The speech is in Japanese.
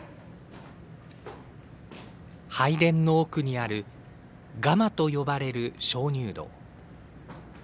拝殿の奥にあるガマと呼ばれる鍾乳洞。